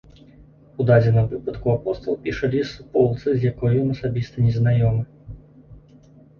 У дадзеным выпадку апостал піша ліст суполцы, з якой ён асабіста незнаёмы.